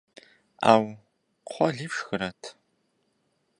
Ӏэу, кхъуэли фшхырэт?